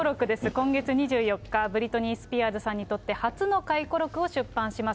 今月２４日、ブリトニー・スピアーズさんにとって初の回顧録を出版します。